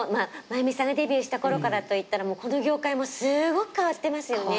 真弓さんがデビューしたころからといったらこの業界もすごく変わってますよね。